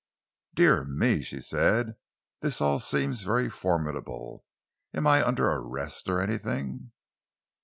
"Dear me," she said, "this all seems very formidable! Am I under arrest or anything?"